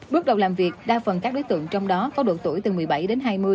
bước đầu làm việc đa phần các đối tượng trong đó có độ tuổi từ một mươi bảy đến hai mươi